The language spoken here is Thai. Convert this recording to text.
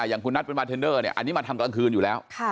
อย่างคุณนัทเป็นมาเทนเนอร์อันนี้มาทำกลางคืนอยู่แล้ว